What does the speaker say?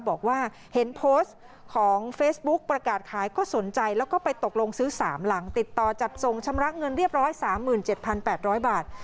บอกว่าเห็นโพสต์ของเฟซบุ๊กประกาศขายก็สนใจแล้วก็ไปตกลงซื้อสามหลังติดต่อจัดทรงชำระเงินเรียบร้อยสามหมื่นเจ็ดพันแปดร้อยบาท